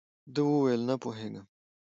ده ویل، نه پوهېږم.